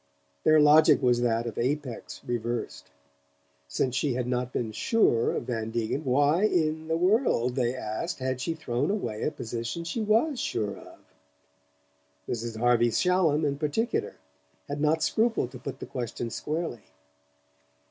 Their logic was that of Apex reversed. Since she had not been "sure" of Van Degen, why in the world, they asked, had she thrown away a position she WAS sure of? Mrs. Harvey Shallum, in particular, had not scrupled to put the question squarely.